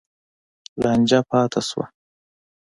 لانجه پاتې شوه.